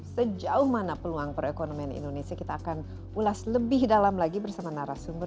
sejauh mana peluang perekonomian indonesia kita akan ulas lebih dalam lagi bersama narasumber